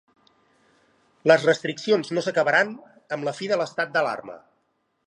Les restriccions no s’acabaran amb la fi de l’estat d’alarma.